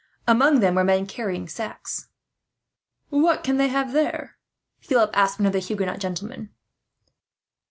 Among them were men carrying sacks. "What can they have there?" Philip asked one of the Huguenot gentlemen.